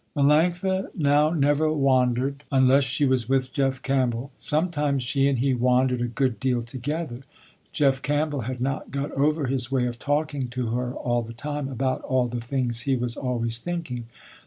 Melanctha now never wandered, unless she was with Jeff Campbell. Sometimes she and he wandered a good deal together. Jeff Campbell had not got over his way of talking to her all the time about all the things he was always thinking.